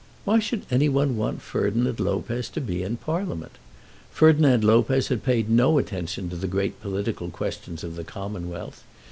Why should any one want Ferdinand Lopez to be in Parliament? Ferdinand Lopez had paid no attention to the great political questions of the Commonwealth.